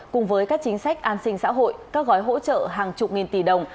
cùng với các chính sách an sinh xã hội các gói hỗ trợ hàng chục nghìn tỷ đồng